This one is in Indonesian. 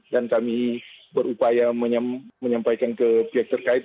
dan kami berupaya menyampaikan ke pihak terkait